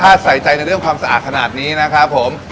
ถ้าใส่ใจในเรื่องความสะอาดขนาดนี้นะครับผม